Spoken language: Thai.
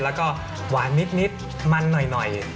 แล้วก็หวานนิดมันหน่อย